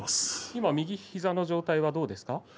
今、右膝の状態はどうですか。